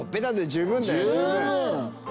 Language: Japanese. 十分。